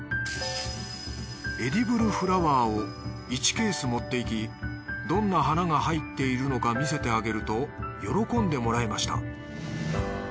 「エディブルフラワーを１ケース持っていきどんな花が入っているのか見せてあげると喜んでもらえました」。